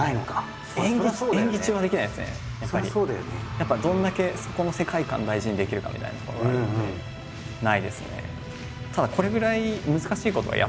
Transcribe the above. やっぱどれだけそこの世界観大事にできるかみたいなところがあるんでないですね。